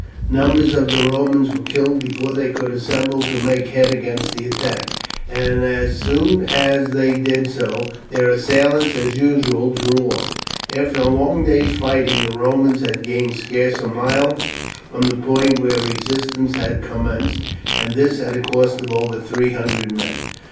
Numbers of the Romans were killed before they could assemble to make head against the attack, and as soon as they did so their assailants as usual drew off. After a long day's fighting the Romans had gained scarce a mile from the point where resistance had commenced, and this at a cost of over three hundred men.